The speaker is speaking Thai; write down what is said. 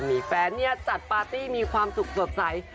มีแฟนจัดปาร์ตี้มีความสุขสบใจ